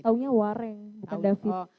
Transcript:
saya taunya wareng bukan david